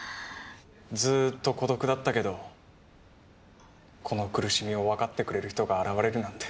ずっと孤独だったけどこの苦しみを分かってくれる人が現れるなんて。